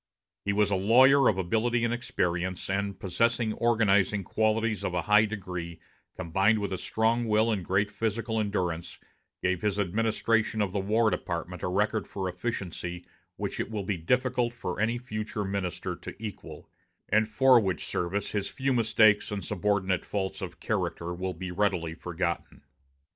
He was a lawyer of ability and experience, and, possessing organizing qualities of a high degree combined with a strong will and great physical endurance, gave his administration of the War Department a record for efficiency which it will be difficult for any future minister to equal; and for which service his few mistakes and subordinate faults of character will be readily forgotten.